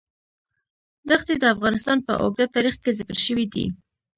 دښتې د افغانستان په اوږده تاریخ کې ذکر شوی دی.